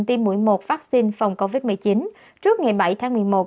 tiêm mũi một vaccine phòng covid một mươi chín trước ngày bảy tháng một mươi một